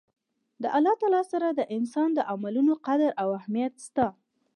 د الله تعالی سره د انسان د عملونو قدر او اهميت شته